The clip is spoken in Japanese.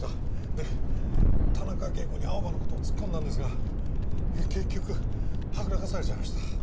で田中啓子にアオバの事を突っ込んだんですが結局はぐらかされちゃいました。